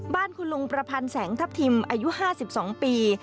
บ้านคุณลุงประพันธ์แสงทัพทิมอายุ๕๒ปี